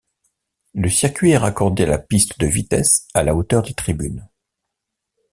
Le circuit est raccordé à la piste de vitesse à la hauteur des tribunes.